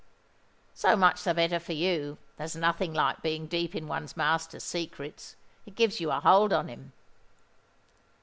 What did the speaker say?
"So much the better for you. There's nothing like being deep in one's master's secrets: it gives you a hold on him."